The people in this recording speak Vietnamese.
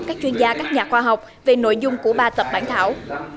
các chuyên gia các nhà khoa học về nội dung của ba tập bản thảo